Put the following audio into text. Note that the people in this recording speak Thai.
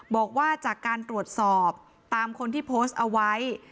บอกว่าจากการตรวจสอบตามคนที่โพสต์เอาไว้